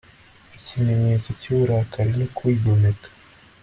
ikimenyetso cy'uburakari no kwigomeka